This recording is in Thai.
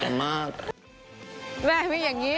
ขอบคุณครับ